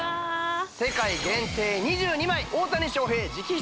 世界限定２２枚大谷翔平直筆